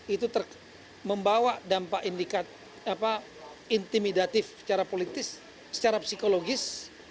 itu membawa dampak intimidatif secara politis secara psikologis